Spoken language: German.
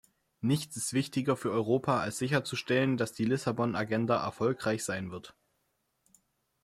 Nichts ist wichtiger für Europa, als sicherzustellen, dass die Lissabon-Agenda erfolgreich sein wird.